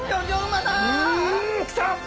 うん来た！